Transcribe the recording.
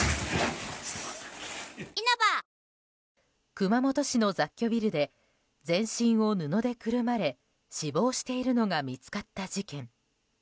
熊本市の雑居ビルで全身を布でくるまれ死亡しているのが見つかった事件。